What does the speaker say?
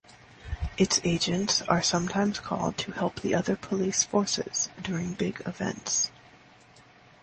Its agents are sometimes called to help the other police forces during big events.